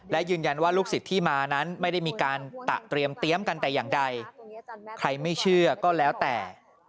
และยืนยันว่าลูกศิษย์ที่มานั้นไม่ได้มีการตะเตรียมกันแต่อย่างใดใครไม่เชื่อก็แล้วแต่